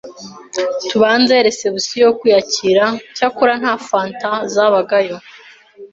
Tubanza reception (kwiyakira) cyakora nta fanta zabagayo